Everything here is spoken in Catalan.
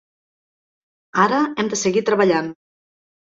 Ara hem de seguir treballant.